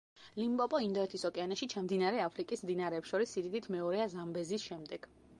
ლიმპოპო ინდოეთის ოკეანეში ჩამდინარე აფრიკის მდინარეებს შორის სიდიდით მეორეა ზამბეზის შემდეგ.